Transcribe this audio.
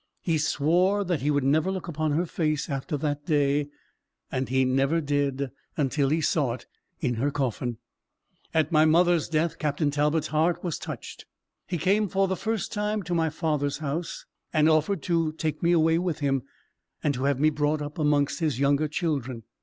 He swore that he would never look upon her face after that day: and he never did, until he saw it in her coffin. At my mother's death Captain Talbot's heart was touched: he came for the first time to my father's house, and offered to take me away with him, and to have me brought up amongst his younger children.